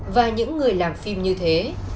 và những người làm phim như thế